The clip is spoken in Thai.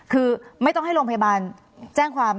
คือไม่ต้องให้โรงพยาบาลแจ้งความ